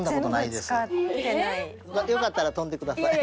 よかったら跳んでください。